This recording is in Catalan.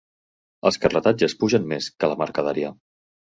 Els carretatges pugen més que la mercaderia.